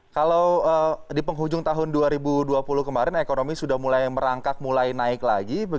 kalau di penghujung tahun dua ribu dua puluh kemarin ekonomi sudah mulai merangkak mulai naik lagi